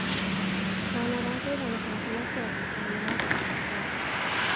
理想の男性像に関しましては、確たるものはございません。